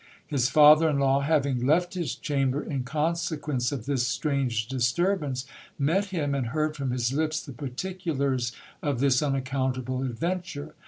His father in law having left his chamber in consequence of this strange disturbance, met him, and heard from his lips the particulars of this unaccountable adventure.